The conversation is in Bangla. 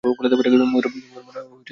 ময়ূর মারা আপরাধ।